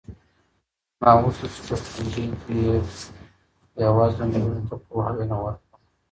ما غوښتل چې په ښوونځي کې بې وزله نجونو ته پوهه او علم ورکړم.